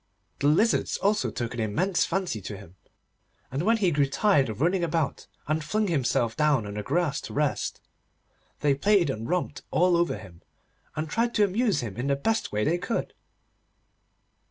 The Lizards also took an immense fancy to him, and when he grew tired of running about and flung himself down on the grass to rest, they played and romped all over him, and tried to amuse him in the best way they could.